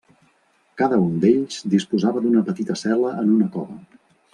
Cada un d'ells disposava d'una petita cel·la en una cova.